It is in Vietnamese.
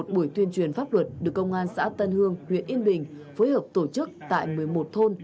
một buổi tuyên truyền pháp luật được công an xã tân hương huyện yên bình phối hợp tổ chức tại một mươi một thôn